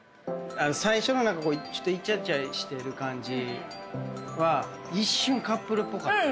最初の何かちょっとイチャイチャしてる感じは一瞬カップルっぽかった。